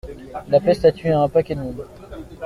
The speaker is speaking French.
La peste a tué un paquet de monde.